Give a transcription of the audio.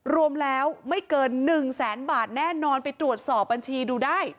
รวมแล้วไม่เกิน๑แสนบาทแน่นอนไปตรวจสอบบัญชีดูได้